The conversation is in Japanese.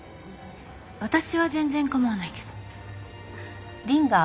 私は全然構わないけど。